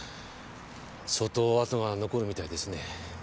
相当あとが残るみたいですね。